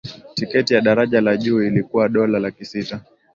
tiketi ya daraja la juu ilikuwa dola laki sita